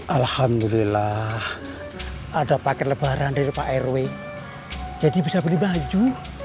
alhamdulillah ada theme lebaran dari pak airwi jadi boleh beli baju